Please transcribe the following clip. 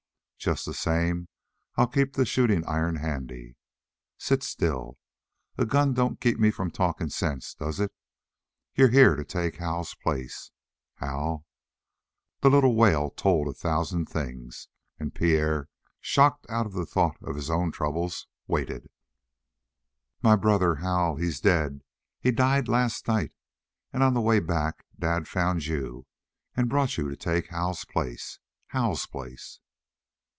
"Just the same I'll keep the shooting iron handy. Sit still. A gun don't keep me from talking sense, does it? You're here to take Hal's place. Hal!" The little wail told a thousand things, and Pierre, shocked out of the thought of his own troubles, waited. "My brother, Hal; he's dead; he died last night, and on the way back dad found you and brought you to take Hal's place. Hal's place!"